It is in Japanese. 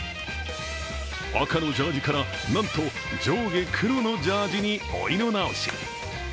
赤のジャージーから、なんと上下黒のジャージーにお色直し。